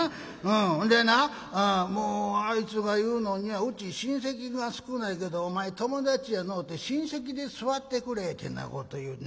ほんでなもうあいつが言うのには『うち親戚が少ないけどお前友達やのうて親戚で座ってくれ』てなこと言う。